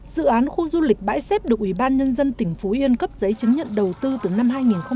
dự án khu du lịch bãi xếp được ủy ban nhân dân tỉnh phú yên cấp giấy chứng nhận đầu tư từ năm hai nghìn bảy